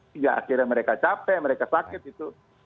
sehingga akhirnya mereka capek mereka sakit